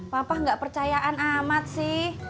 pak pak gak percayaan amat sih